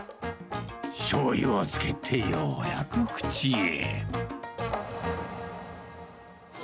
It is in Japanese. しょうゆをつけてようやく口へ。